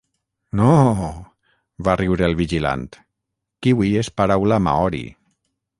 Nooo! —va riure el vigilant— Kiwi és paraula maori.